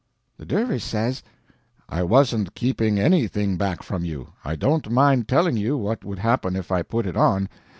The dervish says: "I wasn't keeping anything back from you. I don't mind telling you what would happen if I put it on.